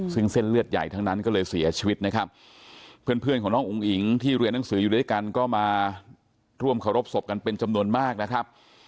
ซึ่งเส้นเลือดใหญ่ทั้งนั้นก็เลยเสียชีวิตนะครับเพื่อนเพื่อนของน้องอุ๋งอิ๋งที่เรียนหนังสืออยู่ด้วยกันก็มาร่วมเคารพศพกันเป็นจำนวนมากนะครับ